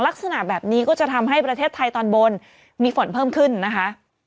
ลักษณะแบบนี้ก็จะทำให้ประเทศไทยตอนบนมีฝนเพิ่มขึ้นนะคะ